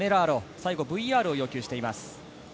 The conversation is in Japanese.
最後ＶＲを要求しています。